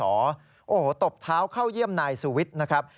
โอ้โหตบเท้าเข้าเยี่ยมนายสุวิทย์นะครับ